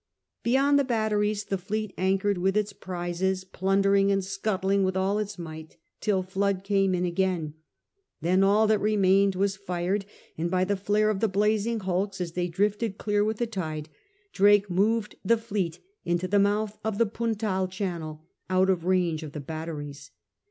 Beyond the batteries the fleet anchored with its prizes, plundering and scuttling with all its might, till the flood came in again. Then all that remained were fired, and by the flare of the blazing hulks as they drifted clear with the tide, Drake moved the fleet into the mouth of the Puntal channel out of range of the batteries.